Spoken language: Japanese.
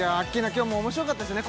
今日もおもしろかったですね